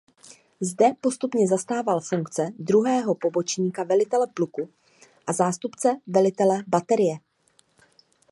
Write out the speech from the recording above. Zde postupně zastával funkce druhého pobočníka velitele pluku a zástupce velitele baterie.